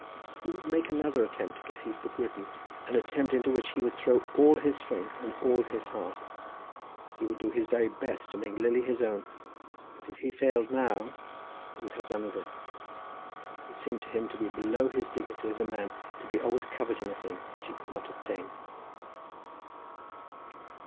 He would make another attempt to get his book written, an attempt into which he would throw all his strength and all his heart. He would do his very best to make Lily his own. But if he failed now, he would have done with it. It seemed to him to be below his dignity as a man to be always coveting a thing which he could not obtain.